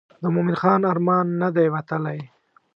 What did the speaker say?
د مومن خان ارمان نه دی وتلی.